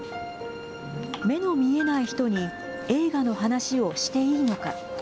目の見えない人に、映画の話をしていいのか。